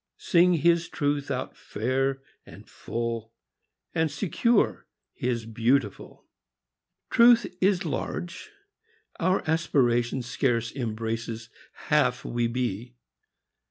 Sing His Truth out fair and full, And secure His beautiful. Truth is large. Our aspiration Scarce embraces half we be.